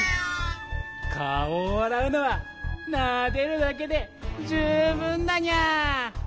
かおをあらうのはなでるだけでじゅうぶんだにゃ。